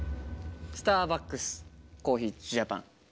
スターバックスコーヒージャパン。